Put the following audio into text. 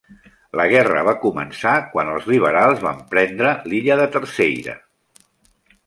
La guerra va començar quan els liberals van prendre l'illa de Terceira.